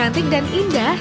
cantik dan indah